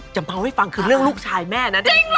เบาให้ฟังคือเรื่องลูกชายแม่นะ